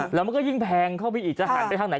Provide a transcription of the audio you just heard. แล้วมันก็ยิ่งแพงเข้าไปอีกจะหันไปทางไหน